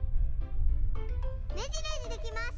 ねじねじできます！